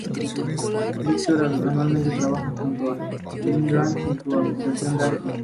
Tras perder su sueño y a su amada, Emmerich decidió abandonar Shadow Moses.